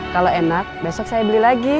kalau enak besok saya beli lagi